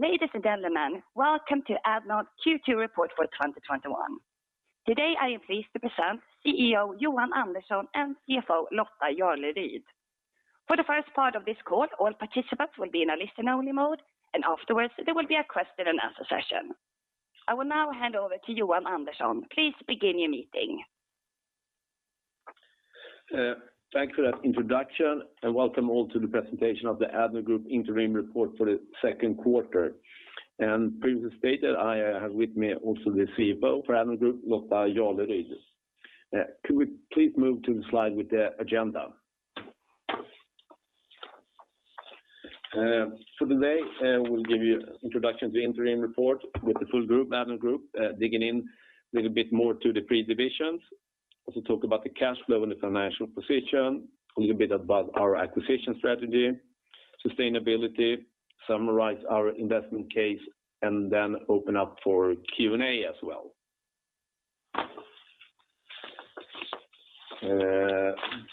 Ladies and gentlemen, welcome to Addnode Q2 report for 2021. Today, I am pleased to present CEO Johan Andersson and CFO Lotta Jarleryd. For the first part of this call, all participants will be in a listen-only mode, and afterwards there will be a question and answer session. I will now hand over to Johan Andersson. Please begin your meeting. Thanks for that introduction. Welcome all to the presentation of the Addnode Group interim report for the second quarter. Previously stated, I have with me also the CFO for Addnode Group, Lotta Jarleryd. Could we please move to the slide with the agenda? For today, we'll give you introduction to interim report with the full Addnode Group, digging in a little bit more to the three divisions. Also talk about the cash flow and the financial position, a little bit about our acquisition strategy, sustainability, summarize our investment case, then open up for Q&A as well.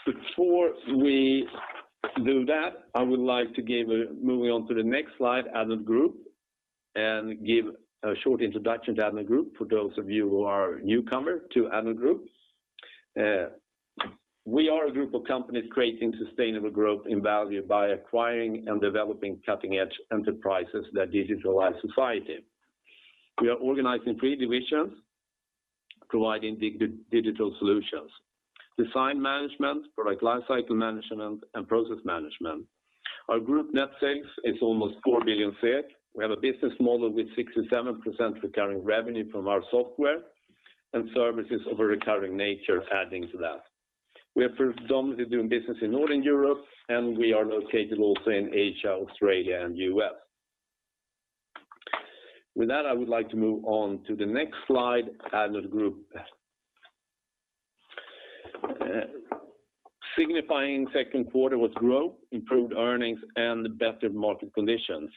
Before we do that, I would like to give Moving on to the next slide, Addnode Group, and give a short introduction to Addnode Group for those of you who are newcomer to Addnode Group. We are a group of companies creating sustainable growth in value by acquiring and developing cutting-edge enterprises that digitalize society. We are organized in three divisions providing digital solutions, Design Management, Product Lifecycle Management, and Process Management. Our group net sales is almost 4 billion. We have a business model with 67% recurring revenue from our software and services of a recurring nature adding to that. We are predominantly doing business in Northern Europe, and we are located also in Asia, Australia, and U.S. With that, I would like to move on to the next slide, Addnode Group. Signifying second quarter with growth, improved earnings, and better market conditions.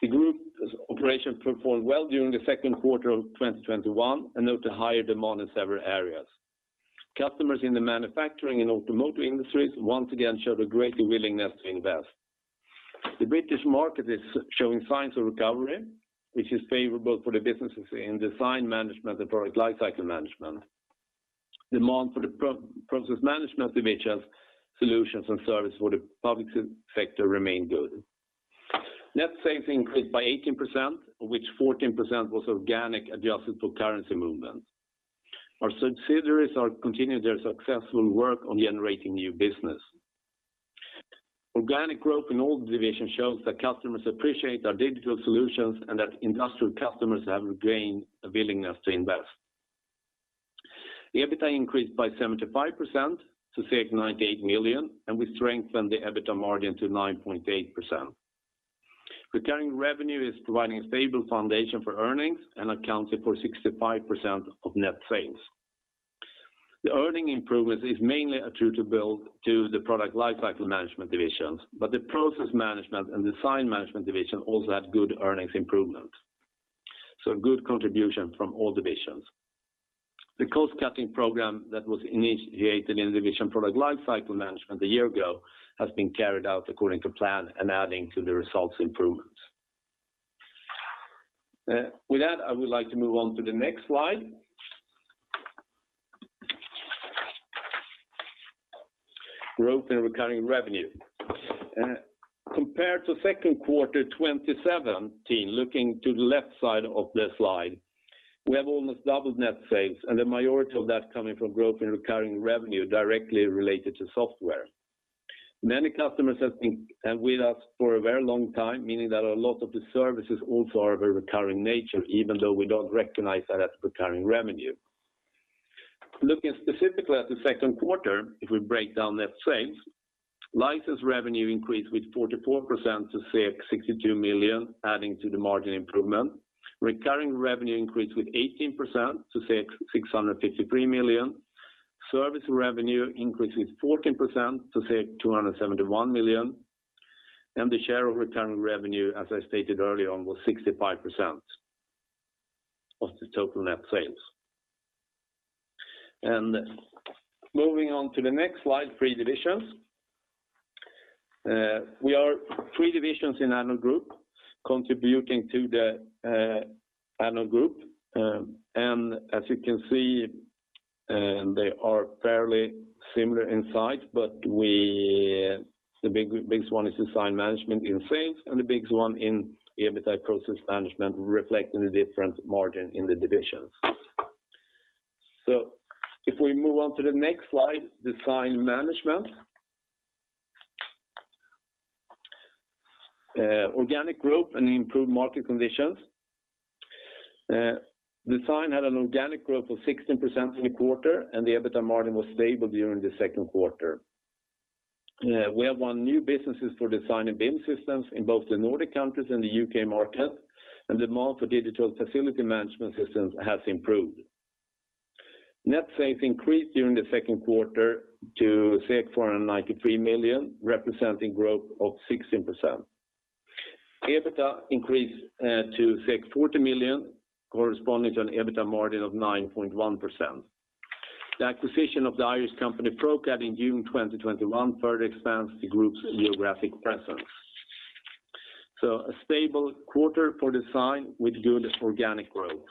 The group operations performed well during the second quarter of 2021 and note a higher demand in several areas. Customers in the manufacturing and automotive industries once again showed a greater willingness to invest. The British market is showing signs of recovery, which is favorable for the businesses in Design Management and Product Lifecycle Management. Demand for the Process Management division solutions and service for the public sector remained good. Net sales increased by 18%, of which 14% was organic, adjusted for currency movement. Our subsidiaries are continuing their successful work on generating new business. Organic growth in all divisions shows that customers appreciate our digital solutions and that industrial customers have regained a willingness to invest. The EBITDA increased by 75% to 98 million, and we strengthened the EBITDA margin to 9.8%. Recurring revenue is providing a stable foundation for earnings and accounted for 65% of net sales. The earning improvements is mainly attributed to the Product Lifecycle Management divisions, but the Process Management and Design Management division also had good earnings improvement. Good contribution from all divisions. The cost-cutting program that was initiated in division Product Lifecycle Management one year ago has been carried out according to plan and adding to the results improvements. With that, I would like to move on to the next slide. Growth and recurring revenue. Compared to second quarter 2017, looking to the left side of the slide, we have almost doubled net sales and the majority of that coming from growth in recurring revenue directly related to software. Many customers have been with us for a very long time, meaning that a lot of the services also are of a recurring nature, even though we don't recognize that as recurring revenue. Looking specifically at the second quarter, if we break down net sales, license revenue increased with 44% to 62 million, adding to the margin improvement. Recurring revenue increased with 18% to 653 million. Service revenue increased with 14% to 271 million, and the share of recurring revenue, as I stated earlier on, was 65% of the total net sales. Moving on to the next slide, three divisions. We are three divisions in Addnode Group contributing to the Addnode Group. As you can see, they are fairly similar in size, but the biggest one is Design Management in sales and the biggest one in EBITDA Process Management, reflecting the different margin in the divisions. If we move on to the next slide, Design Management. Organic growth and improved market conditions. Design had an organic growth of 16% in the quarter, and the EBITDA margin was stable during the second quarter. We have won new businesses for design and BIM systems in both the Nordic countries and the UK market, and demand for digital facility management systems has improved. Net sales increased during the second quarter to 493 million, representing growth of 16%. EBITDA increased to 40 million, corresponding to an EBITDA margin of 9.1%. The acquisition of the Irish company Procad in June 2021 further expands the group's geographic presence. A stable quarter for design with good organic growth.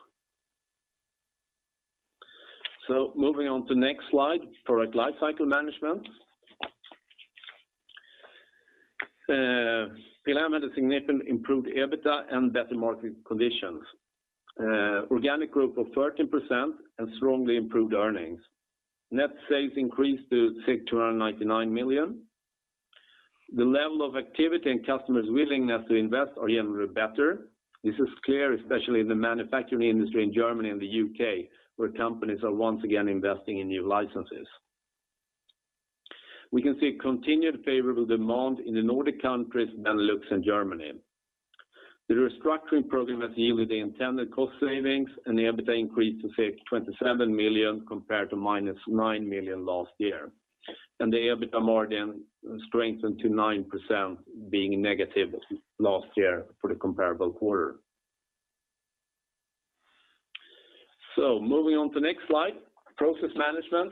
Moving on to next slide, Product Lifecycle Management. PLM had a significant improved EBITDA and better market conditions. Organic growth of 13% and strongly improved earnings. Net sales increased to 299 million. The level of activity and customers' willingness to invest are even better. This is clear especially in the manufacturing industry in Germany and the U.K., where companies are once again investing in new licenses. We can see continued favorable demand in the Nordic countries, Benelux, and Germany. The restructuring program has yielded the intended cost savings and the EBITDA increase to 27 million compared to -9 million last year. The EBITDA margin strengthened to 9% being negative last year for the comparable quarter. Moving on to next slide, Process Management.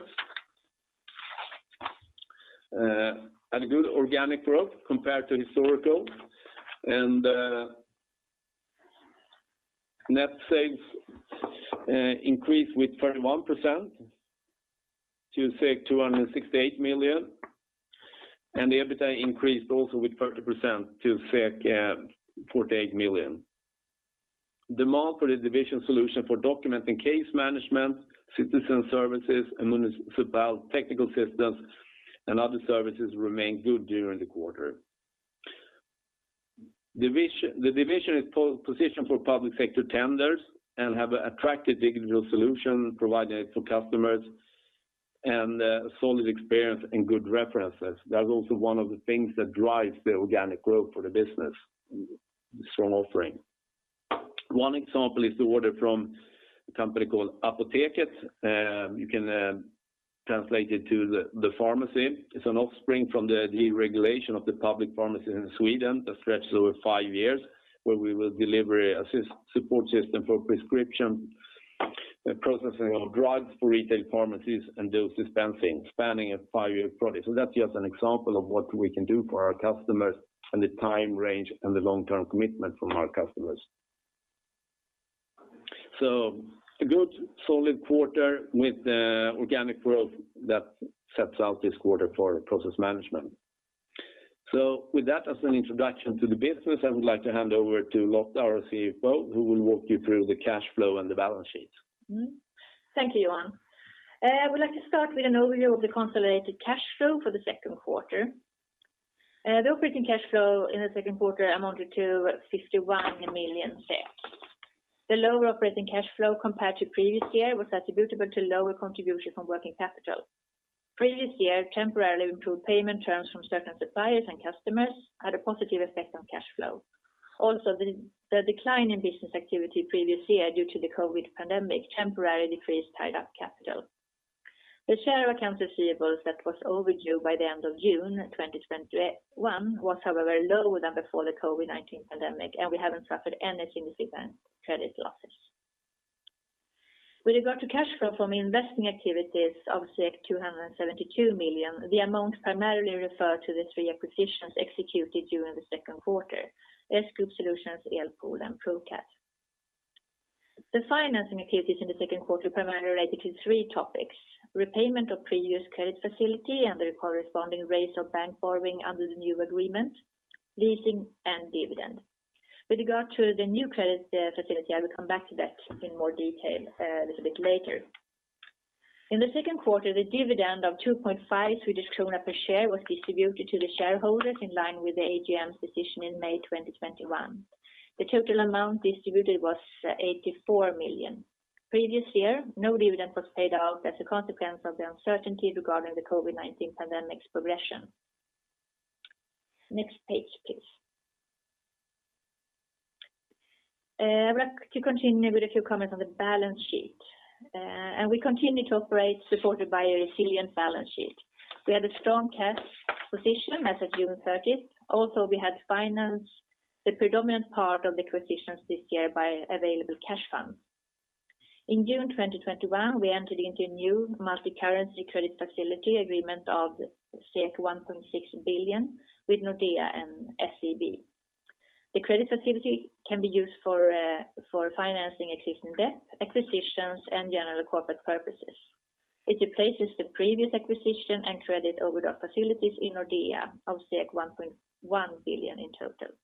Had a good organic growth compared to historical and net sales increased with 31% to 268 million, and the EBITDA increased also with 30% to 48 million. Demand for the division solution for document and case management, citizen services, and municipal technical systems, and other services remained good during the quarter. The division is positioned for public sector tenders and have attracted digital solution providing it for customers, and a solid experience and good references. That's also one of the things that drives the organic growth for the business, the strong offering. One example is the order from a company called Apoteket. You can translate it to the pharmacy. It's an offspring from the deregulation of the public pharmacy in Sweden that stretched over five years, where we will deliver a support system for prescription, processing of drugs for retail pharmacies, and dose dispensing, spanning a five-year project. That's just an example of what we can do for our customers and the time range and the long-term commitment from our customers. A good solid quarter with organic growth that sets out this quarter for Process Management. With that as an introduction to the business, I would like to hand over to Lotta, our CFO, who will walk you through the cash flow and the balance sheet. Thank you, Johan. I would like to start with an overview of the consolidated cash flow for the second quarter. The operating cash flow in the second quarter amounted to 51 million. The lower operating cash flow compared to previous year was attributable to lower contribution from working capital. Previous year temporarily improved payment terms from certain suppliers and customers had a positive effect on cash flow. The decline in business activity previous year due to the COVID-19 pandemic temporarily decreased tied-up capital. The share of accounts receivables that was overdue by the end of June 2021 was, however, lower than before the COVID-19 pandemic, and we haven't suffered any significant credit losses. With regard to cash flow from investing activities of 272 million, the amount primarily referred to the three acquisitions executed during the second quarter: S-GROUP Solutions, Elpool, and Procad. The financing activities in the second quarter primarily related to three topics, repayment of previous credit facility and the corresponding raise of bank borrowing under the new agreement, leasing, and dividend. With regard to the new credit facility, I will come back to that in more detail a little bit later. In the second quarter, the dividend of 2.5 Swedish krona per share was distributed to the shareholders in line with the AGM's decision in May 2021. The total amount distributed was 84 million. Previous year, no dividend was paid out as a consequence of the uncertainty regarding the COVID-19 pandemic's progression. Next page, please. I would like to continue with a few comments on the balance sheet. We continue to operate supported by a resilient balance sheet. We had a strong cash position as of June 30th. We had financed the predominant part of the acquisitions this year by available cash funds. In June 2021, we entered into a new multi-currency credit facility agreement of 1.6 billion with Nordea and SEB. The credit facility can be used for financing existing debt, acquisitions, and general corporate purposes. It replaces the previous acquisition and credit overdraft facilities in Nordea of 1.1 billion in total.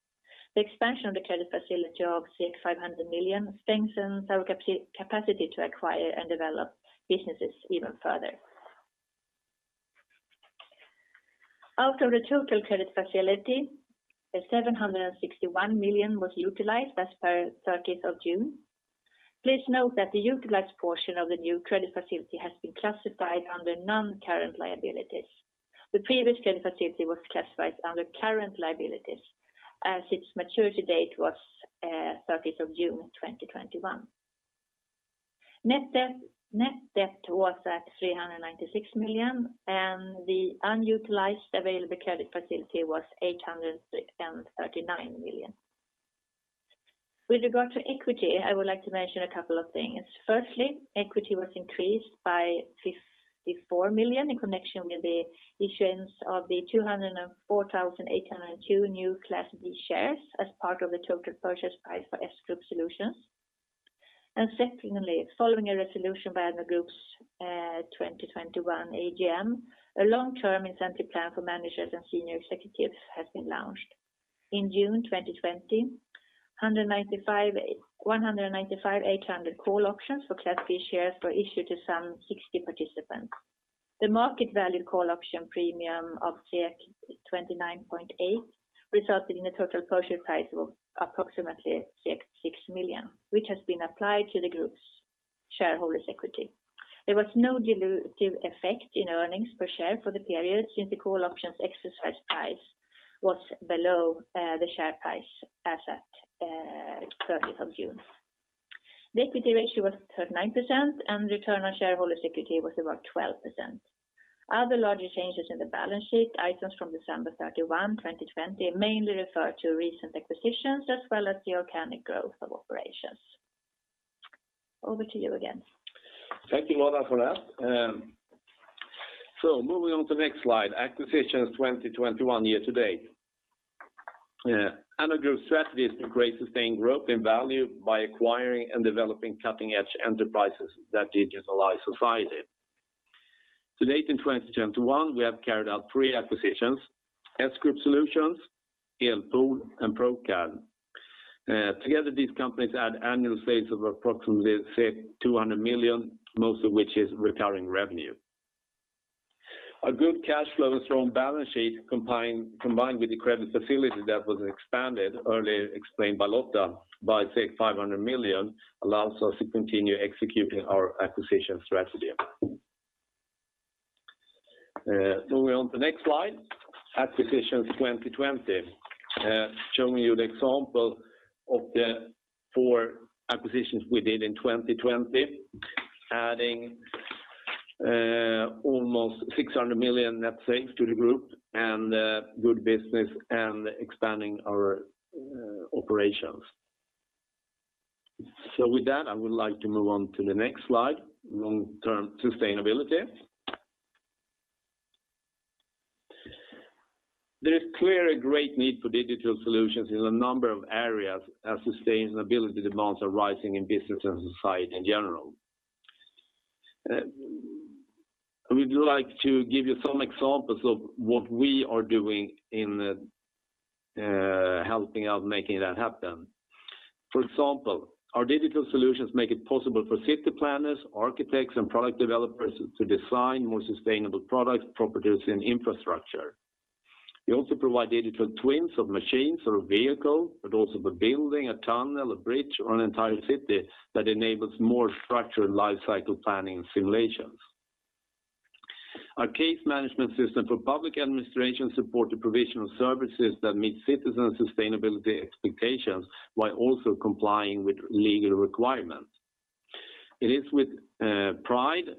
The expansion of the credit facility of 500 million strengthens our capacity to acquire and develop businesses even further. Out of the total credit facility, the 761 million was utilized as per 30th of June. Please note that the utilized portion of the new credit facility has been classified under non-current liabilities. The previous credit facility was classified under current liabilities as its maturity date was June 30, 2021. Net debt was at 396 million, and the unutilized available credit facility was 839 million. With regard to equity, I would like to mention a couple of things. Firstly, equity was increased by 54 million in connection with the issuance of the 204,802 new Class B shares as part of the total purchase price for S-GROUP Solutions. Secondly, following a resolution by Addnode Group's 2021 AGM, a long-term incentive plan for managers and senior executives has been launched. In June 2020, 195,800 call options for Class B shares were issued to some 60 participants. The market value call option premium of 29.8 resulted in a total purchase price of approximately 6 million, which has been applied to the group's shareholders' equity. There was no dilutive effect in earnings per share for the period, since the call options exercise price was below the share price as at 30th of June. The equity ratio was 39%, and return on shareholders' equity was about 12%. Other larger changes in the balance sheet items from December 31st, 2020, mainly refer to recent acquisitions as well as the organic growth of operations. Over to you again. Thank you, Lotta, for that. Moving on to the next slide. Acquisitions 2021 year to date. Addnode Group's strategy is to create sustained growth in value by acquiring and developing cutting-edge enterprises that digitalize society. To date, in 2021, we have carried out three acquisitions: S-GROUP Solutions, Elpool, and Procad. Together, these companies add annual sales of approximately 200 million, most of which is recurring revenue. Our good cash flow and strong balance sheet combined with the credit facility that was expanded, earlier explained by Lotta, by 500 million, allows us to continue executing our acquisition strategy. Moving on to the next slide, acquisitions 2020. Showing you the example of the four acquisitions we did in 2020, adding almost 600 million net sales to the group and good business and expanding our operations. With that, I would like to move on to the next slide, long-term sustainability. There is clearly a great need for digital solutions in a number of areas as sustainability demands are rising in business and society in general. We'd like to give you some examples of what we are doing in helping out making that happen. For example, our digital solutions make it possible for city planners, architects, and product developers to design more sustainable products, properties, and infrastructure. We also provide digital twins of machines or a vehicle, but also of a building, a tunnel, a bridge, or an entire city that enables more structured life cycle planning and simulations. Our case management system for public administration support the provision of services that meet citizens' sustainability expectations while also complying with legal requirements. It is with pride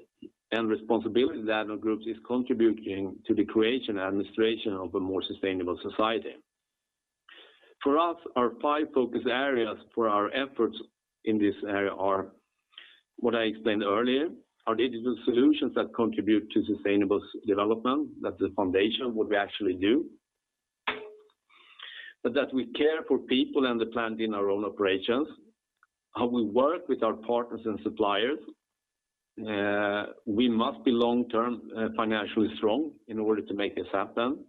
and responsibility that Addnode Group is contributing to the creation and administration of a more sustainable society. For us, our five focus areas for our efforts in this area are what I explained earlier, our digital solutions that contribute to sustainable development. That's the foundation of what we actually do. That we care for people and the planet in our own operations, how we work with our partners and suppliers. We must be long-term financially strong in order to make this happen,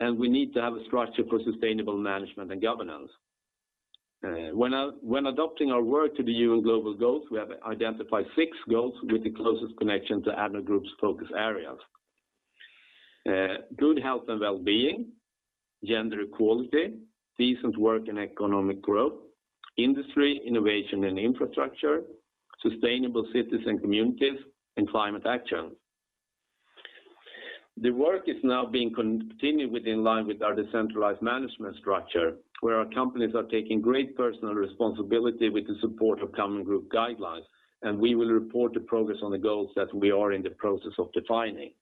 and we need to have a structure for sustainable management and governance. When adopting our work to the UN Global Goals, we have identified 6 goals with the closest connection to Addnode Group's focus areas. Good Health and Wellbeing, Gender Equality, Decent Work and Economic Growth, Industry, Innovation and Infrastructure, Sustainable Cities and Communities, and Climate Action. The work is now being continued in line with our decentralized management structure, where our companies are taking great personal responsibility with the support of common group guidelines, and we will report the progress on the goals that we are in the process of defining.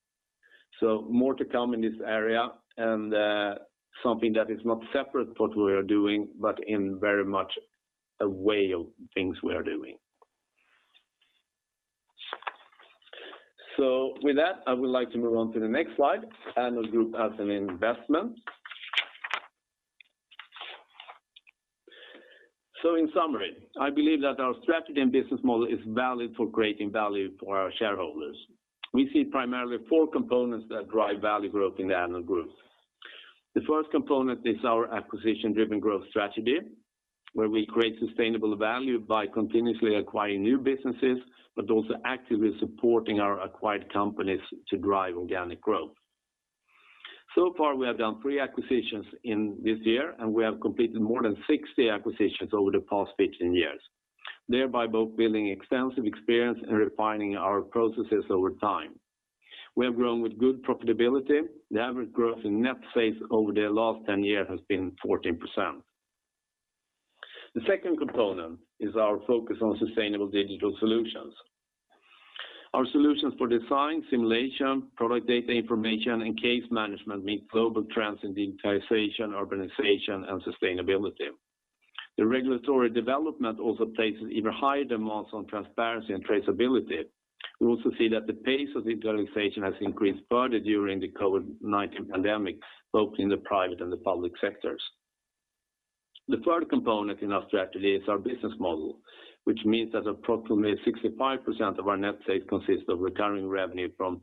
More to come in this area. Something that is not separate to what we are doing, but in very much a way of things we are doing. With that, I would like to move on to the next slide. Addnode Group as an investment. In summary, I believe that our strategy and business model is valid for creating value for our shareholders. We see primarily four components that drive value growth in the Addnode Group. The first component is our acquisition-driven growth strategy, where we create sustainable value by continuously acquiring new businesses but also actively supporting our acquired companies to drive organic growth. So far, we have done three acquisitions this year, and we have completed more than 60 acquisitions over the past 15 years, thereby both building extensive experience and refining our processes over time. We have grown with good profitability. The average growth in net sales over the last 10 years has been 14%. The second component is our focus on sustainable digital solutions. Our solutions for design simulation, product data information, and case management meet global trends in digitization, urbanization, and sustainability. The regulatory development also places even higher demands on transparency and traceability. We also see that the pace of digitalization has increased further during the COVID-19 pandemic, both in the private and the public sectors. The third component in our strategy is our business model, which means that approximately 65% of our net sales consists of recurring revenue from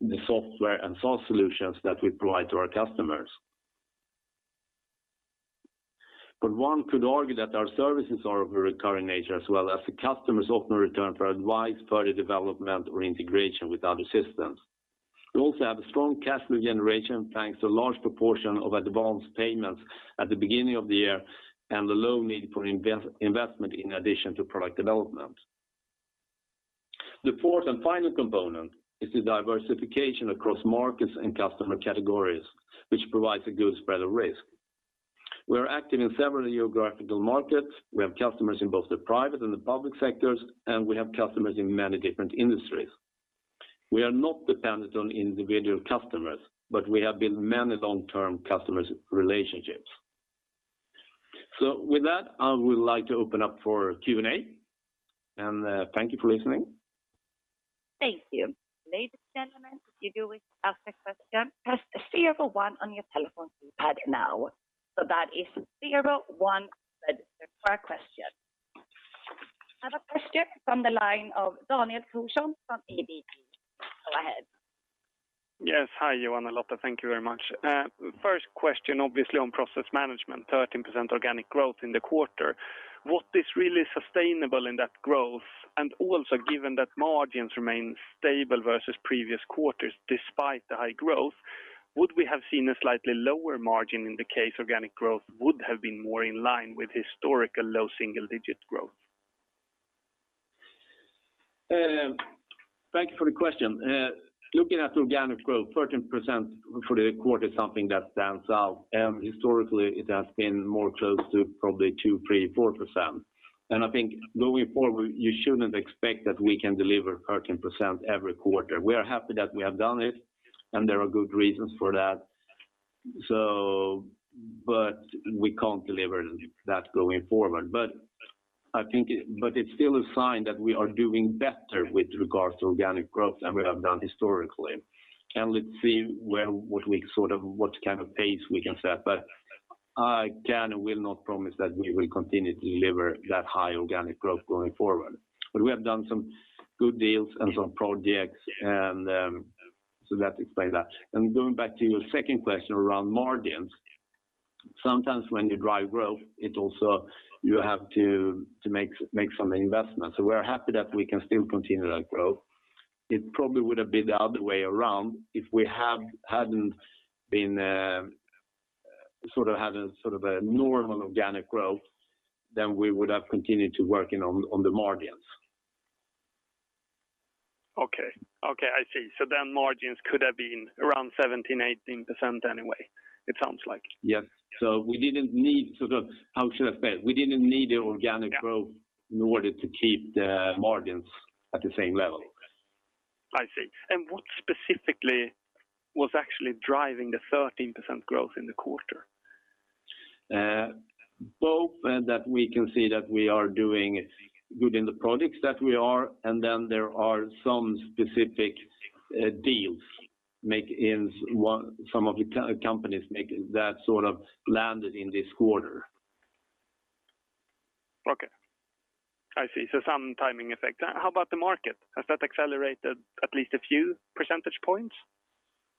the software and SaaS solutions that we provide to our customers. One could argue that our services are of a recurring nature, as well as the customers often return for advice, further development, or integration with other systems. We also have a strong cash flow generation, thanks to a large proportion of advance payments at the beginning of the year and the low need for investment in addition to product development. The fourth and final component is the diversification across markets and customer categories, which provides a good spread of risk. We are active in several geographical markets. We have customers in both the private and the public sectors, and we have customers in many different industries. We are not dependent on individual customers, but we have built many long-term customer relationships. With that, I would like to open up for Q&A, and thank you for listening. Thank you. Ladies and gentlemen, if you do wish to ask a question, press zero for one on your telephone keypad now. That is zero one for a question. I have a question from the line of Daniel Thorsson from ABG. Go ahead. Yes. Hi, Johan and Lotta. Thank you very much. First question, obviously on Process Management, 13% organic growth in the quarter. What is really sustainable in that growth? Also given that margins remain stable versus previous quarters despite the high growth, would we have seen a slightly lower margin in the case organic growth would have been more in line with historical low single-digit growth? Thank you for the question. Looking at organic growth, 13% for the quarter is something that stands out. Historically, it has been closer to probably 2%, 3%, 4%. I think going forward, you shouldn't expect that we can deliver 13% every quarter. We are happy that we have done it, and there are good reasons for that. We can't deliver that going forward. It's still a sign that we are doing better with regards to organic growth than we have done historically. Let's see what kind of pace we can set, but I can and will not promise that we will continue to deliver that high organic growth going forward. We have done some good deals and some projects, so that explains that. Going back to your second question around margins, sometimes when you drive growth, you have to make some investments. We're happy that we can still continue that growth. It probably would have been the other way around if we had a normal organic growth, then we would have continued to working on the margins. Okay. I see. Margins could have been around 17%, 18% anyway, it sounds like. Yes. How should I say it? We didn't need the organic growth in order to keep the margins at the same level. I see. What specifically was actually driving the 13% growth in the quarter? Both that we can see that we are doing good in the products that we are. There are some specific deals some of the companies make that landed in this quarter. Okay. I see. Some timing effect. How about the market? Has that accelerated at least a few percentage points?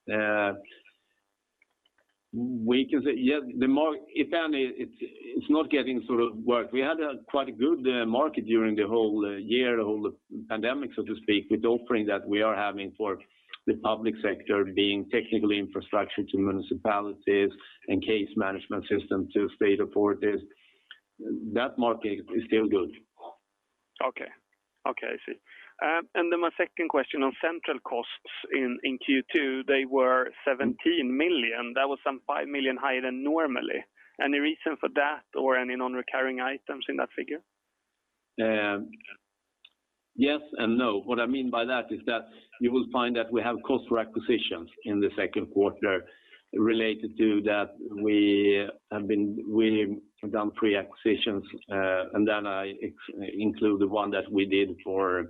We had quite a good market during the whole year, the whole pandemic, so to speak, with the offering that we are having for the public sector being technical infrastructure to municipalities and case management system to state authorities. That market is still good. Okay. I see. My second question on central costs in Q2, they were 17 million. That was some 5 million higher than normally. Any reason for that or any non-recurring items in that figure? Yes and no. What I mean by that is that you will find that we have costs for acquisitions in the second quarter related to that we have done pre-acquisitions, and then I include the one that we did for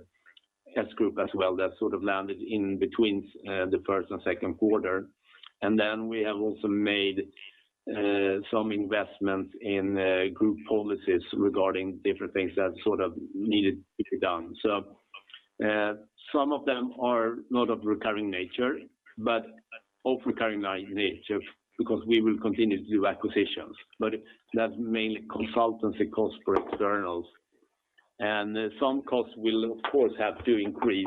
S-Group as well that landed in between the first and second quarter. We have also made some investments in group policies regarding different things that needed to be done. Some of them are not of recurring nature, but of recurring nature because we will continue to do acquisitions. That's mainly consultancy costs for externals. Some costs will, of course, have to increase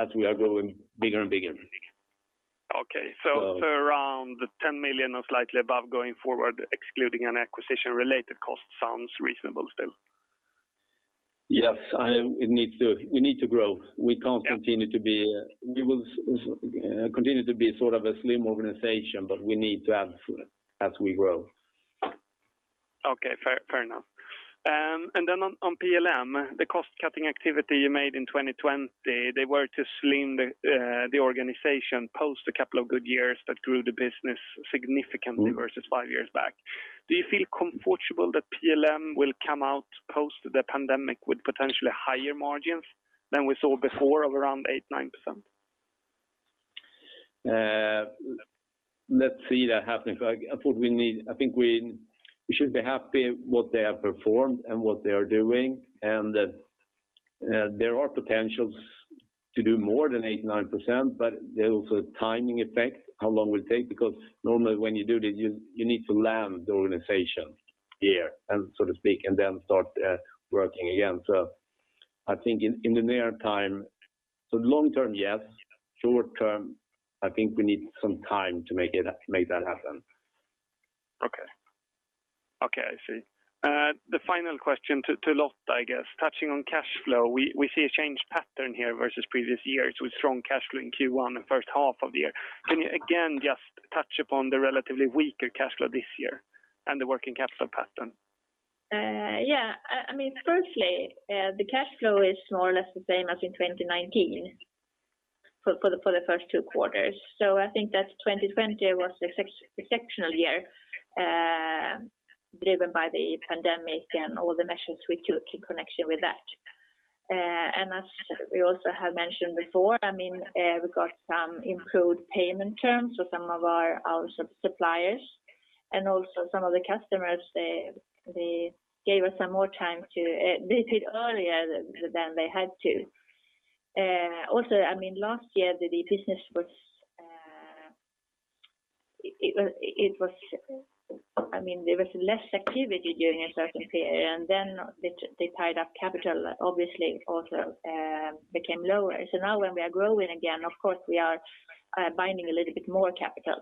as we are growing bigger and bigger. Okay. Around the 10 million or slightly above going forward, excluding an acquisition-related cost sounds reasonable still? Yes. We need to grow. We will continue to be a slim organization, but we need to add as we grow. Okay, fair enough. On PLM, the cost-cutting activity you made in 2020, they were to slim the organization post a couple of good years that grew the business significantly versus five years back. Do you feel comfortable that PLM will come out post the pandemic with potentially higher margins than we saw before of around 8%, 9%? Let's see that happening. I think we should be happy what they have performed and what they are doing, and that there are potentials to do more than 8%, 9%. There's also a timing effect, how long it will take. Normally when you do this, you need to land the organization here, so to speak, and then start working again. I think in the near time. Long term, yes. Short term, I think we need some time to make that happen. Okay. I see. The final question to Lotta, I guess. Touching on cash flow, we see a changed pattern here versus previous years with strong cash flow in Q1 and first half of the year. Can you again just touch upon the relatively weaker cash flow this year and the working capital pattern? Firstly, the cash flow is more or less the same as in 2019 for the first two quarters. I think that 2020 was an exceptional year driven by the COVID-19 pandemic and all the measures we took in connection with that. As we also have mentioned before, we got some improved payment terms with some of our suppliers and also some of the customers, they paid earlier than they had to. Also, last year, there was less activity during a certain period, and then they tied up capital, obviously also became lower. Now when we are growing again, of course, we are binding a little bit more capital.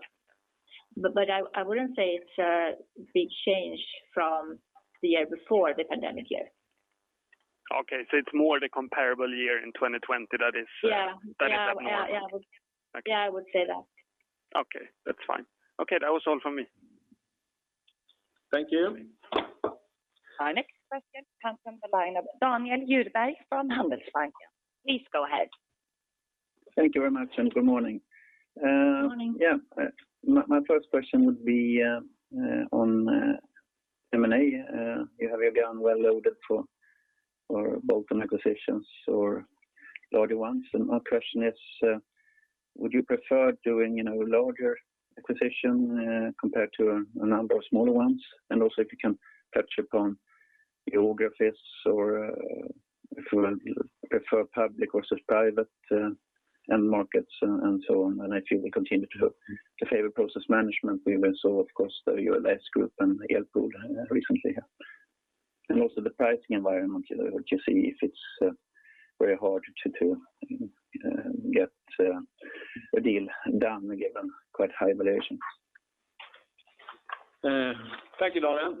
I wouldn't say it's a big change from the year before the COVID-19 pandemic year. Okay, it's more the comparable year in 2020 that is- Yeah. That is abnormal. Yeah, I would say that. Okay, that's fine. Okay, that was all from me. Thank you. Our next question comes from the line of Daniel Djurberg from Handelsbanken. Please go ahead. Thank you very much, and good morning. Morning. Yeah. My first question would be on M&A. You have your gun well loaded for bolt-on acquisitions or larger ones. My question is, would you prefer doing a larger acquisition compared to a number of smaller ones? Also, if you can touch upon geographies or if you prefer public versus private end markets and so on. I feel we continue to favor Process Management. We saw, of course, the ULS Group and Elpool recently. Also the pricing environment, would you see if it's very hard to get a deal done given quite high valuations? Thank you, Daniel.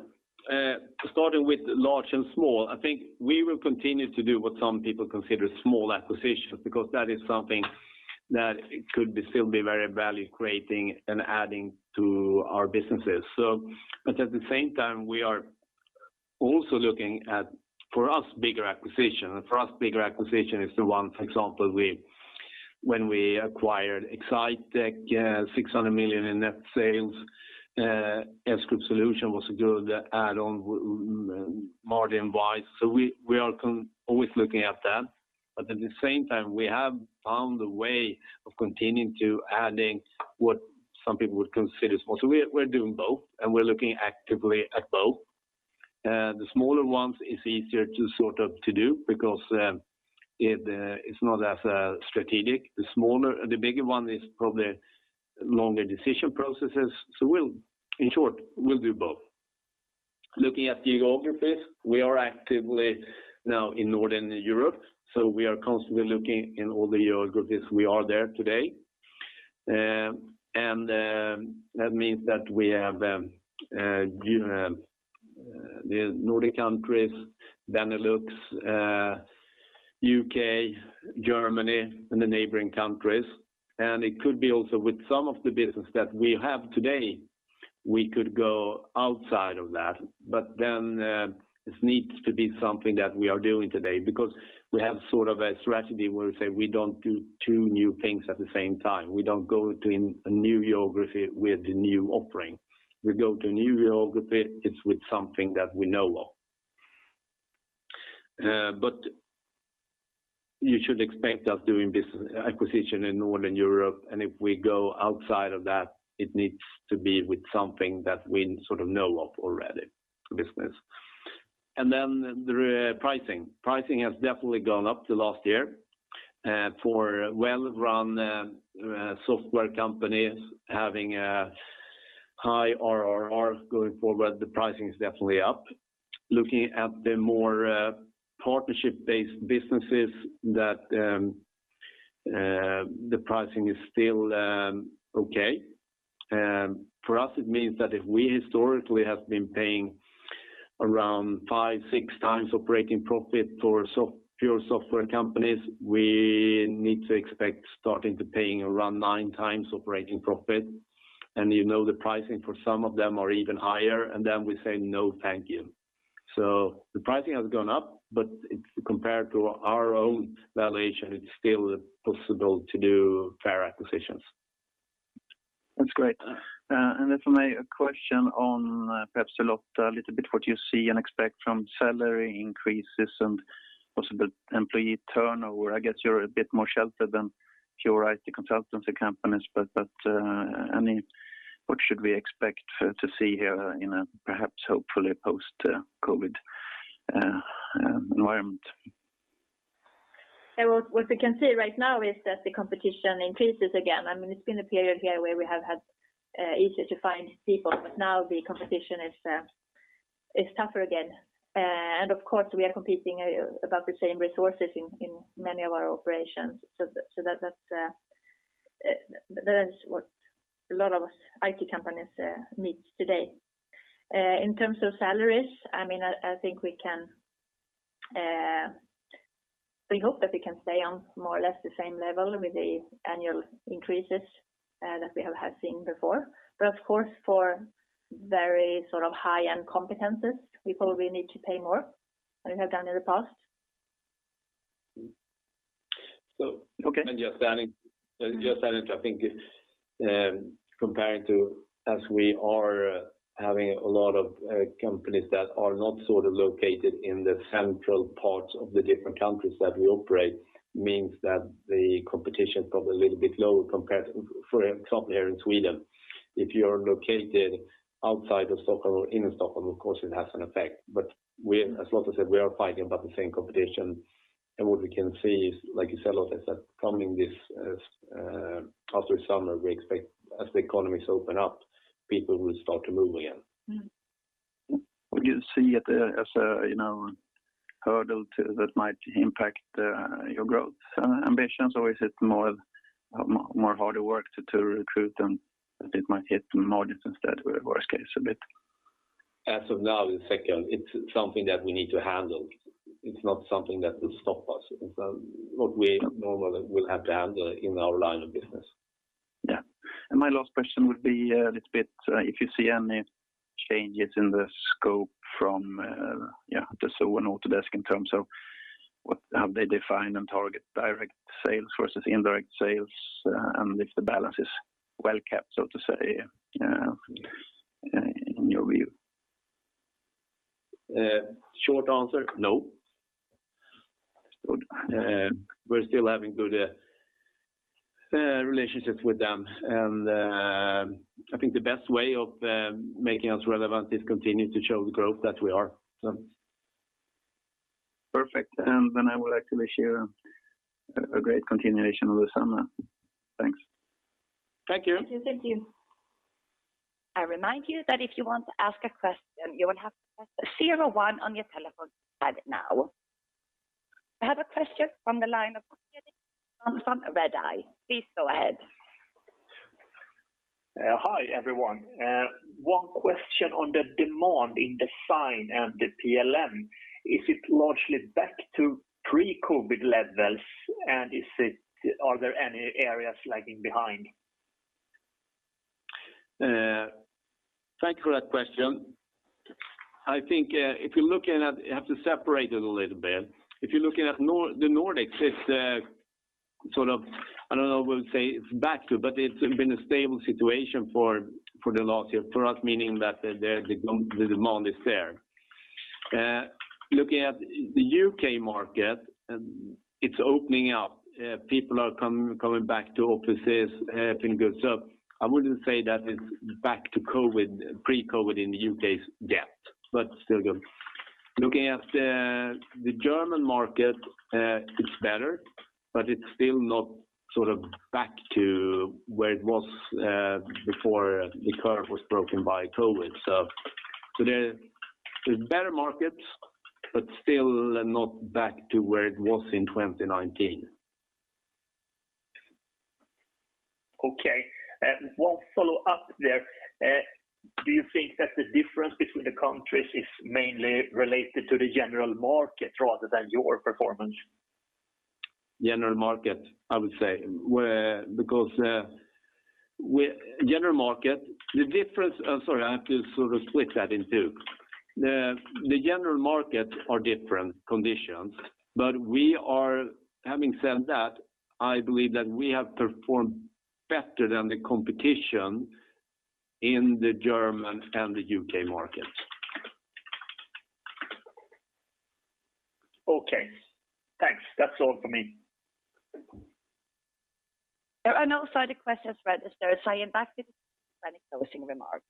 Starting with large and small, I think we will continue to do what some people consider small acquisitions because that is something that could still be very value-creating and adding to our businesses. At the same time, we are also looking at, for us, bigger acquisition. For us, bigger acquisition is the one, for example, when we acquired Excitech, 600 million in net sales. S-GROUP Solutions was a good add-on margin-wise. We are always looking at that. At the same time, we have found a way of continuing to adding what some people would consider small. We're doing both, and we're looking actively at both. The smaller ones is easier to do because it's not as strategic. The bigger one is probably longer decision processes. In short, we'll do both. Looking at geographies, we are actively now in Northern Europe, so we are constantly looking in all the geographies we are there today. That means that we have the Nordic countries, Benelux, U.K., Germany, and the neighboring countries. It could be also with some of the business that we have today, we could go outside of that. This needs to be something that we are doing today because we have a strategy where we say we don't do two new things at the same time. We don't go to a new geography with a new offering. We go to a new geography, it's with something that we know of. You should expect us doing acquisition in Northern Europe, and if we go outside of that, it needs to be with something that we know of already, the business. And then the pricing. Pricing has definitely gone up the last year. For well-run software companies having a high ARRs going forward, the pricing is definitely up. Looking at the more partnership-based businesses, the pricing is still okay. For us, it means that if we historically have been paying around five, six times operating profit for pure software companies, we need to expect starting to paying around 9x operating profit. You know, the pricing for some of them are even higher. We say, "No, thank you." The pricing has gone up. Compared to our own valuation, it's still possible to do fair acquisitions. That's great. From me, a question on perhaps a lot, a little bit what you see and expect from salary increases and also the employee turnover. I guess you're a bit more sheltered than pure IT consultancy companies. What should we expect to see here in a perhaps, hopefully post-COVID environment? What we can see right now is that the competition increases again. It's been a period here where we have had easier to find people, but now the competition is tougher again. Of course, we are competing about the same resources in many of our operations. That is what a lot of us IT companies meet today. In terms of salaries, we hope that we can stay on more or less the same level with the annual increases that we have seen before. Of course, for very high-end competencies, we probably need to pay more than we have done in the past. So- Okay Just adding, I think comparing to as we are having a lot of companies that are not located in the central parts of the different countries that we operate means that the competition is probably a little bit lower compared for example, here in Sweden. If you're located outside of Stockholm or in Stockholm, of course it has an effect. As Lotta said, we are fighting about the same competition. What we can see is, like you said, Lotta, is that coming this after summer, we expect as the economies open up, people will start to move again. Would you see it as a hurdle that might impact your growth ambitions or is it more harder work to recruit them that it might hit margins instead worst case a bit? As of now, in second, it's something that we need to handle. It's not something that will stop us. It's what we normally will have to handle in our line of business. Yeah. My last question would be a little bit if you see any changes in the scope from Dassault and Autodesk in terms of how they define and target direct sales versus indirect sales, and if the balance is well kept, so to say, in your view? Short answer, no. Good. We're still having good relationships with them, and I think the best way of making us relevant is continue to show the growth that we are. Perfect, I will actually wish you a great continuation of the summer. Thanks. Thank you. Thank you. I remind you that if you want to ask a question, you will have to press zero one on your telephone pad now. I have a question from the line of Redeye. Please go ahead. Hi, everyone. One question on the demand in Design and the PLM. Is it largely back to pre-COVID-19 levels, and are there any areas lagging behind? Thank you for that question. I think you have to separate it a little bit. If you're looking at the Nordics, it's sort of, we'll say it's back to, but it's been a stable situation for the last year for us, meaning that the demand is there. Looking at the UK market, it's opening up. People are coming back to offices, everything good. I wouldn't say that it's back to pre-COVID-19 in the U.K. yet, but still good. Looking at the German market, it's better, but it's still not back to where it was before the curve was broken by COVID-19. There's better markets, but still not back to where it was in 2019. Okay. One follow up there. Do you think that the difference between the countries is mainly related to the general market rather than your performance? General market, I would say. Sorry, I have to sort of split that in two. The general markets are different conditions. Having said that, I believe that we have performed better than the competition in the German and the UK markets. Okay. Thanks. That's all for me. There are no further questions registered, so I invite you to make any closing remarks.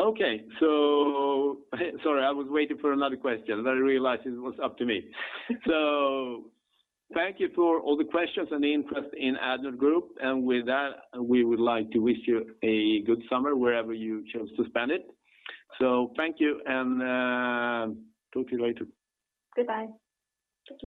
Okay. Sorry, I was waiting for another question, then I realized it was up to me. Thank you for all the questions and the interest in Addnode Group. With that, we would like to wish you a good summer wherever you choose to spend it. Thank you, and talk to you later. Goodbye.